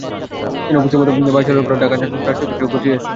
যেন অফিসের মতো বাঁয়ে চলাচল করে ঢাকার যানজটযুক্ত রাস্তায়ও কিছুটা গতি আসে।